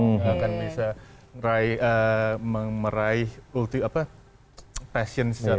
nggak akan bisa meraih passion sih